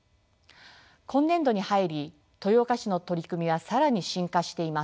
今年度に入り豊岡市の取り組みは更に深化しています。